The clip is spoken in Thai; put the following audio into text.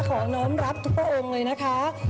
ขออน้ำรับทุกพ่อองค์เลยนะคะ